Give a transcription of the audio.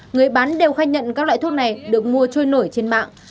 người bán đều khai nhận các loại thuốc này được mua trôi nổi trên mạng